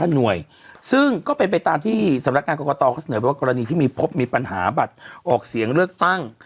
หน่วยซึ่งก็เป็นไปตามที่สำนักงานกรกตเขาเสนอว่ากรณีที่มีพบมีปัญหาบัตรออกเสียงเลือกตั้ง